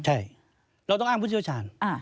ใช่เราต้องอ้างผู้เชี่ยวชาญ